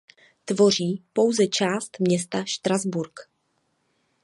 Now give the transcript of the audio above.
Tvoří ho pouze část města Štrasburk.